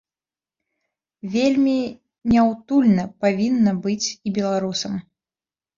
Вельмі няўтульна павінна быць і беларусам.